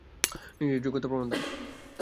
নিজের যোগ্যতার প্রমাণ দাও!